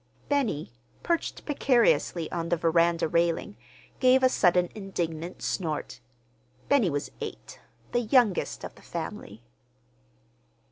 Benny, perched precariously on the veranda railing, gave a sudden indignant snort. Benny was eight, the youngest of the family.